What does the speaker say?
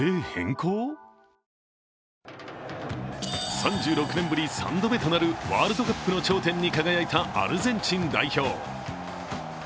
３６年ぶり３度目となるワールドカップの頂点に輝いたアルゼンチン代表。